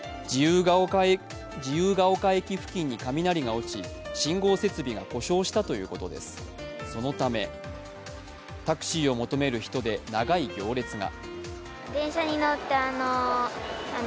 自由が丘駅付近に雷が落ち信号設備が故障したということです、そのためタクシーを求める人で長い行列が。